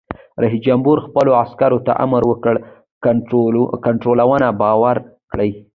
رئیس جمهور خپلو عسکرو ته امر وکړ؛ کانټینرونه بار کړئ!